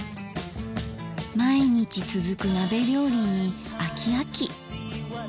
毎日続く鍋料理に飽き飽き。